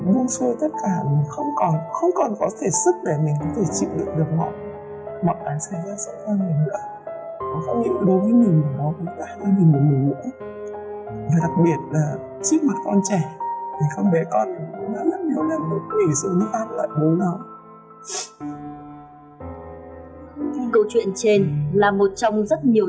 với nhiều câu chuyện khác nhau